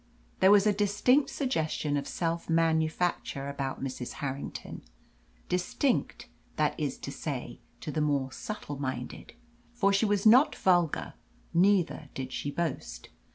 There was a distinct suggestion of self manufacture about Mrs. Harrington distinct, that is to say, to the more subtle minded. For she was not vulgar, neither did she boast.